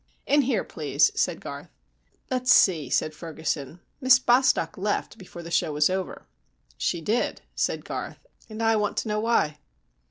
"In here, please," said Garth. "Let's see," said Ferguson, "Miss Bostock left before the show was over." "She did," said Garth; "and I want to know why."